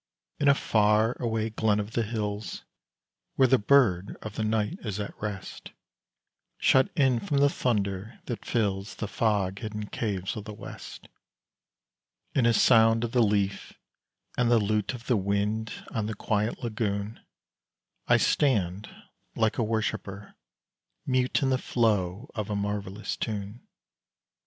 In a far away glen of the hills, Where the bird of the night is at rest, Shut in from the thunder that fills The fog hidden caves of the west In a sound of the leaf, and the lute Of the wind on the quiet lagoon, I stand, like a worshipper, mute In the flow of a marvellous tune!